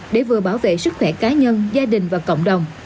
để vừa bảo vệ sức khỏe cá nhân gia đình và cộng đồng